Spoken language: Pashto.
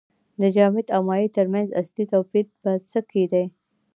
د جامد او مایع ترمنځ اصلي توپیر په څه کې دی